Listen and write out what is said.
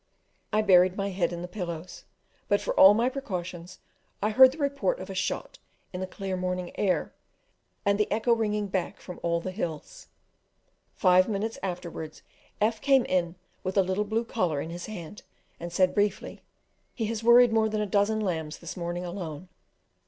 I buried my head in the pillows, but for all my precautions I heard the report of a shot in the clear morning air, and the echo ringing back from all the hills; five minutes afterwards F came in with a little blue collar in his hand, and said briefly, "He has worried more than a dozen lambs this morning alone."